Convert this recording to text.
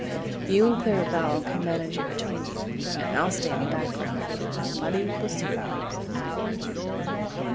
You and Clara Belle can manage it between you, and I'll stay in the background where nobody will see me."